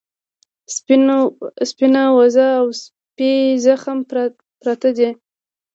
سپينه وزه او سپی زخمي پراته دي.